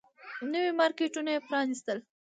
نوي مارکيټونه يې پرانيستل.